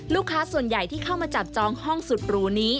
ลูกค้าส่วนใหญ่ที่เข้ามาจับจองห้องสุดหรูนี้